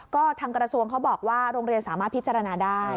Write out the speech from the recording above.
ก็ทางกระทรวงเขาบอกว่าโรงเรียนสามารถพิจารณาได้